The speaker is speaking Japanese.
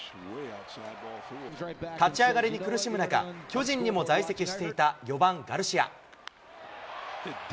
立ち上がりに苦しむ中、巨人にも在籍していた４番ガルシア。